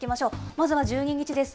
まずは１２日です。